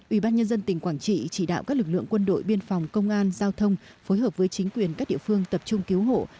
ủy ban nhân dân tỉnh quảng trị chỉ đạo các lực lượng quân đội biên phòng công an giao thông phối hợp với chính quyền các địa phương tập trung cứu hộ